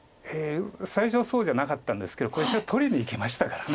最初はそうじゃなかったんですけどこれ白取りにいきましたから。